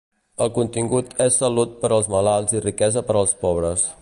El contingut és salut per als malalts i riquesa per als pobres.